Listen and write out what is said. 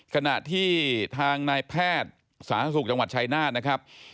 ขณะที่ทางนายแพทย์สาธารณสุขจังหวัดชายนาฏนะครับ